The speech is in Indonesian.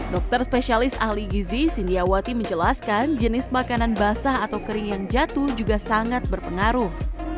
dokter spesialis ahli gizi sindiawati menjelaskan jenis makanan basah atau kering yang jatuh juga sangat berpengaruh